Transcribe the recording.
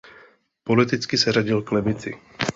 Politicky se řadil k levici.